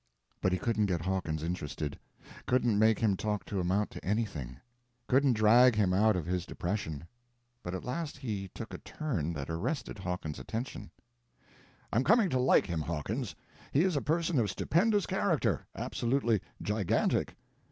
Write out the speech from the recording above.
But he couldn't get Hawkins interested; couldn't make him talk to amount to anything; couldn't drag him out of his depression. But at last he took a turn that arrested Hawkins's attention. "I'm coming to like him, Hawkins. He is a person of stupendous character—absolutely gigantic.